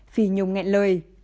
phi nhung nghẹn lời